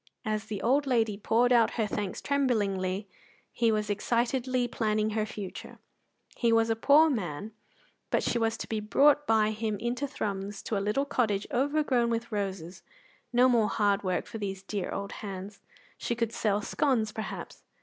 As the old lady poured out her thanks tremblingly, he was excitedly planning her future. He was a poor man, but she was to be brought by him into Thrums to a little cottage overgrown with roses. No more hard work for these dear old hands. She could sell scones, perhaps.